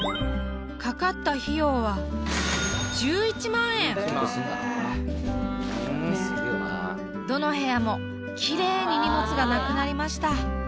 かかったどの部屋もきれいに荷物がなくなりました。